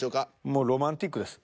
もうロマンチックです。